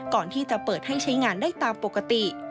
ก่อนที่จะเปิดให้ใช้งานได้ตามปกติ